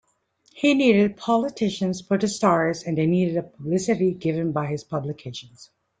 He needed politicians for stories and they needed the publicity given by his publications.